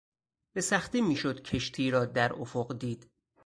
به سختی میشد کشتی را در افق دید.